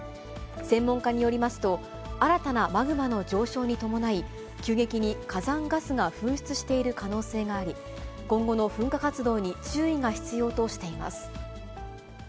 専門家によりますと、新たなマグマの上昇に伴い、急激に火山ガスが噴出している可能性があり、今後の噴火活動に注意が必要としています。